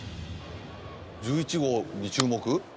１１号に注目。